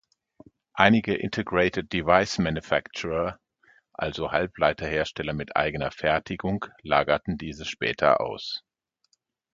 Einige Integrated Device Manufacturer, also Halbleiterhersteller mit eigener Fertigung lagerten diese später aus.